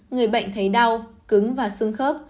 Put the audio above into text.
người bệnh thấy đau cứng và xưng khớp